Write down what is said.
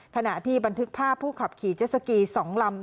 ขณะที่บันทึกภาพผู้ขับขี่เจสสกี๒ลำ